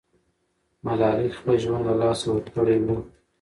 ملالۍ خپل ژوند له لاسه ورکړی وو.